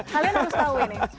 kalian harus tau ini